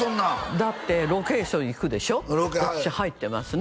だってロケーション行くでしょで私入ってますね